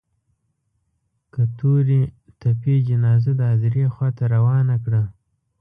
که تورې تپې جنازه د هديرې خوا ته روانه کړه.